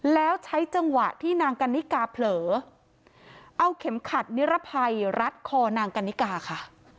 แล้วใช้จังหวะที่นางกันนิกาเผลอเอาเข็มขัดนิรภัยรัดคอนางกันนิกาค่ะ